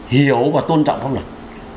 hiểu và tôn trọng pháp luật